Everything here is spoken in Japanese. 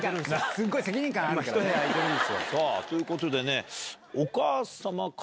すごい責任感あるからね。ということでね。